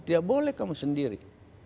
tidak boleh kamu sendiri